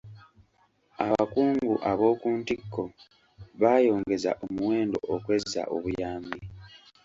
Abakungu ab'oku ntikko baayongeza omuwendo okwezza obuyambi.